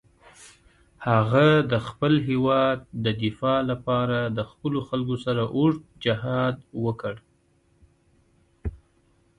هغه د خپل هېواد د دفاع لپاره د خپلو خلکو سره اوږد جهاد وکړ.